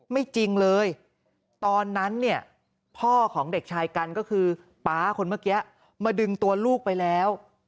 จริงเลยตอนนั้นเนี่ยพ่อของเด็กชายกันก็คือป๊าคนเมื่อกี้มาดึงตัวลูกไปแล้ว